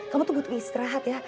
kamu tuh butuh istirahat ya